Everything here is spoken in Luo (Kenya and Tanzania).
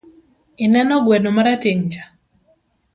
Ineno gweno marateng'cha?